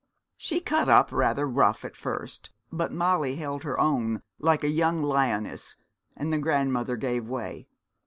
'She cut up rather rough at first; but Molly held her own like a young lioness and the grandmother gave way.